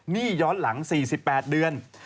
หนี้ย้อนหลัง๔๘เดือน